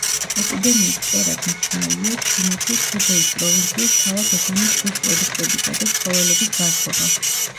ეპიდემიის კერად მიჩნეულია ჩინეთის ხუბეის პროვინციის ქალაქ უხანის ზღვისპროდუქტებისა და ცხოველების ბაზრობა.